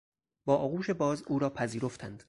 با آغوش باز او را پذیرفتند.